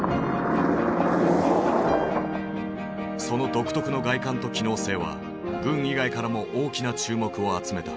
その独特の外観と機能性は軍以外からも大きな注目を集めた。